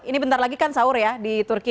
ini bentar lagi kan sahur ya di turki